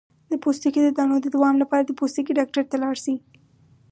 د پوستکي د دانو د دوام لپاره د پوستکي ډاکټر ته لاړ شئ